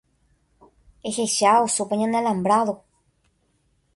Ehecha osópa ñande alambrado.